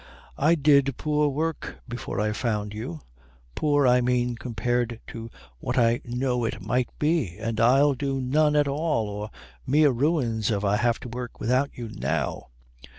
I did poor work before I found you, poor I mean compared to what I know it might be, and I'll do none at all or mere ruins if I have to work without you now.